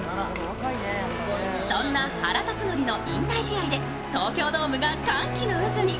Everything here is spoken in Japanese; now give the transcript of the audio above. そんな原辰徳の引退試合で東京ドームが歓喜の渦に。